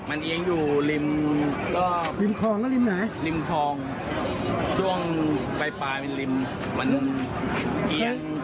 มันเอียงอู่ริมครอง